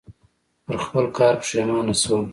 پر خپل کار پښېمانه شوم .